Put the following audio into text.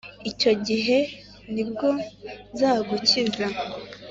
icyo gihe ni bwo nzagukiza!